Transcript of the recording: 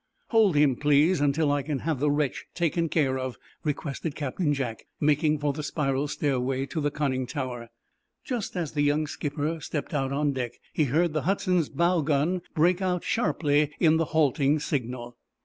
"Hold him please, until I can have the wretch taken care of," requested Captain Jack, making for the spiral stairway to the conning tower. Just as the young skipper stepped out on deck he heard the "Hudson's" bow gun break out sharply in the halting signal.